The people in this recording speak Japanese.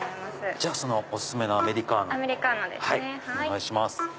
じゃあお薦めのアメリカーノをお願いします。